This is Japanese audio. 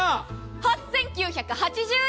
８９８０円。